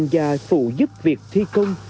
và phụ giúp việc thi công